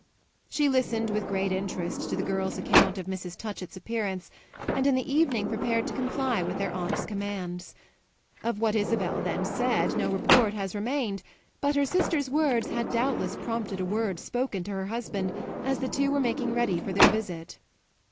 She listened with great interest to the girl's account of Mrs. Touchett's appearance and in the evening prepared to comply with their aunt's commands. Of what Isabel then said no report has remained, but her sister's words had doubtless prompted a word spoken to her husband as the two were making ready for their visit.